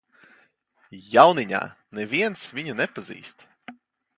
Jauniņā, neviens viņu nepazīst.